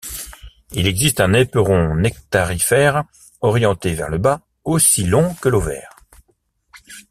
Il existe un éperon nectarifère orienté vers le bas aussi long que l'ovaire.